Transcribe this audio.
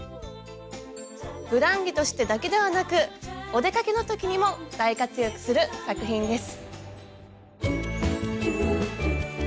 ふだん着としてだけではなくお出かけの時にも大活躍する作品です。